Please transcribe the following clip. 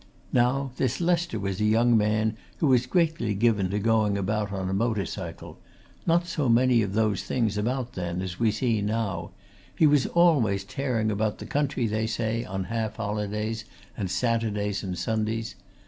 Now, this Lester was a young man who was greatly given to going about on a motor cycle not so many of those things about, then, as we see now; he was always tearing about the country, they say, on half holidays, and Saturdays and Sundays.